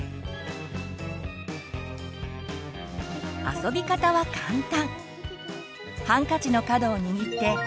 遊び方は簡単！